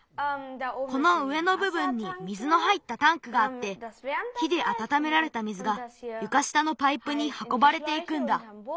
この上のぶぶんに水の入ったタンクがあって火であたためられた水がゆかしたのパイプにはこばれていくんだ。